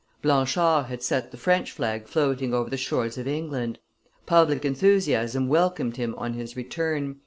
Blanchard had set the French flag floating over the shores of England; public enthusiasm welcomed him on his return.